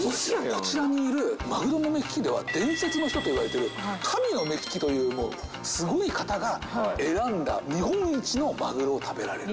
こちらにいるマグロの目利きでは伝説の人といわれてる神の目利きというもうすごい方が選んだ日本一のマグロを食べられる。